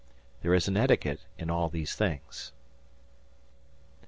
There is an etiquette in all these things.